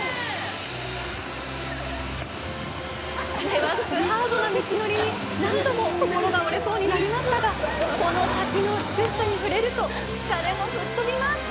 険しくハードな道のりに何度も心が折れそうになりましたがこの滝の美しさにふれると疲れも吹っ飛びます